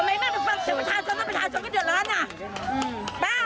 ทำไมไม่มาหาประชาชนอ่ะทำไมไม่มาหาประชาชนประชาชนก็เดี๋ยวร้อนอ่ะ